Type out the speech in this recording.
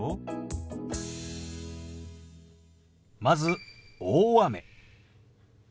まず「大雨」。